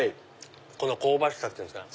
香ばしさっていうんですか。